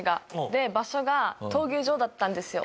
で場所が闘牛場だったんですよ。